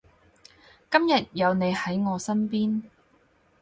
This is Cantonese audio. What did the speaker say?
今日有你喺我身邊